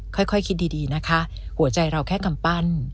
ค่อยคิดดีนะคะหัวใจเราแค่กำปั้น